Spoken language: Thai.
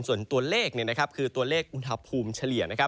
ส่วนตัวเลขคือตัวเลขอุณหภูมิเฉลี่ย